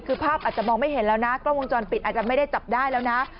คือภาพอาจจะมองไม่เห็นแล้วนะกล้องวงจรปิดอาจจะไม่ได้จับได้แล้วนะ